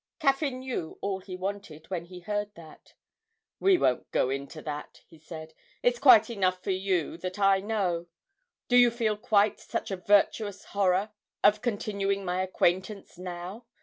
Caffyn knew all he wanted when he heard that. 'We won't go into that,' he said. 'It's quite enough for you that I know. Do you feel quite such a virtuous horror of continuing my acquaintance now?